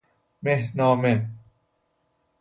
مهنامه